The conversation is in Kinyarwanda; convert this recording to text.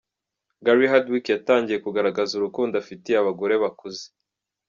Gary Hardwick yatangiye kugaragaza urukundo afitiye abagore bakuze.